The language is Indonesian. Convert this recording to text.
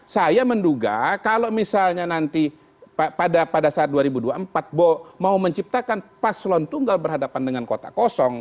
saya menduga kalau misalnya nanti pada saat dua ribu dua puluh empat mau menciptakan paslon tunggal berhadapan dengan kota kosong